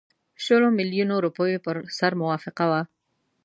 شلو میلیونو روپیو پر سر موافقه وه.